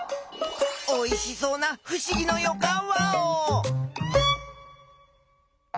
おいしそうなふしぎのよかんワオ！